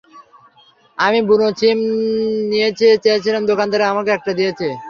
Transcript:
আমি বুনো নিম চেয়েছিলাম দোকানদার আমাকে এটা দিয়েছে!